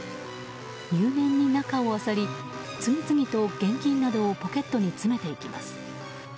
入念に中をあさり次々と現金などをポケットに詰めていきます。